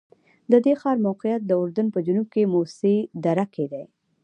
د دې ښار موقعیت د اردن په جنوب کې موسی دره کې دی.